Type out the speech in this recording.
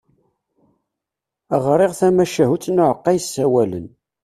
Ɣriɣ tamahut n uɛeqqa yessawalen.